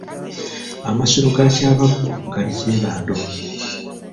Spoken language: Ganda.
Amasiro ga Kyabaggu gali Kyebando.